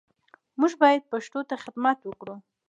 موږ باید پښتو ته خدمت وکړو